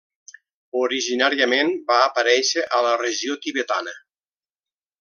Originàriament va aparèixer a la regió tibetana.